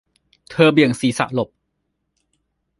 เธอเบี่ยงศีรษะหลบ